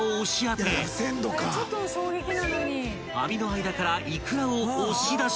［網の間からいくらを押し出し］